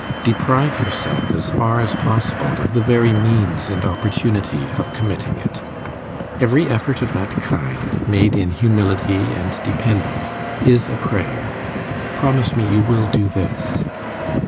Deprive yourself as far as possible of the very means and opportunity of committing it. Every effort of that kind made in humility and dependence is a prayer. Promise me you will do this.